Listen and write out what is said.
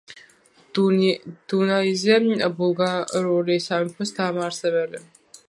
დუნაიზე ბულგარული სამეფოს დამაარსებელი.